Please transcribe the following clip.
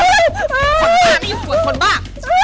คนตาไม่อยู่ขวดคนบ้า